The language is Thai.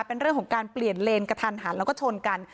เป็นเรื่องของการเปลี่ยนเลนกระทันหันแล้วก็ชนกัน